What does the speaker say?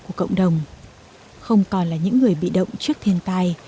của cộng đồng không còn là những người bị động trước thiên tai